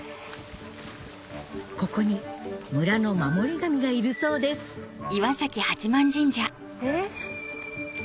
ここに村の守り神がいるそうですえっ？